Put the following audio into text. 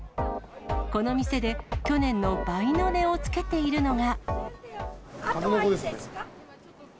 この店で去年の倍の値をつけているのが。